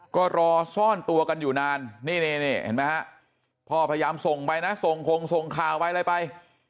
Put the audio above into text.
ก็รอซ่อนตัวกันอยู่นานพ่อพยายามส่งข่าวไป